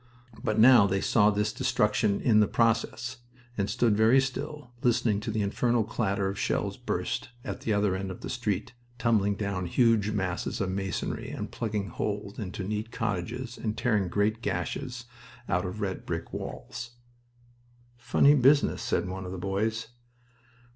But now they saw this destruction in the process, and stood very still, listening to the infernal clatter as shells burst at the other end of the street, tumbling down huge masses of masonry and plugging holes into neat cottages, and tearing great gashes out of red brick walls. "Funny business!" said one of the boys.